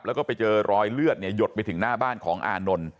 แล้วก็ไปเจอรอยเลือดหยดไปถึงหน้าบ้านของอานนท์